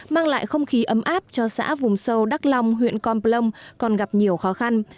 mang lại không khí ấm áp cho xã vùng sâu đắk long huyện con plông còn gặp nhiều khó khăn